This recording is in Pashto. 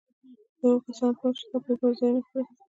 د هغو كسانو په لار چي تا پرې پېرزوينه كړې